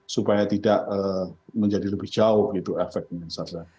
supaya tidak menjadi lebih jauh gitu efeknya saja